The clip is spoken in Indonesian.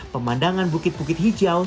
pemandangan bukit bukit hijau